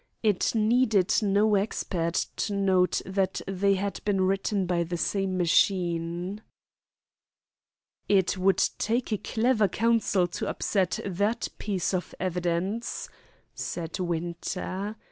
It needed no expert to note that they had been written by the same machine. "It would take a clever counsel to upset that piece of evidence," said Winter.